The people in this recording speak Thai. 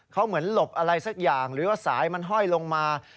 เขาเหมือนหลบอะไรสักอย่างหรือว่าสายมันห้อยลงมา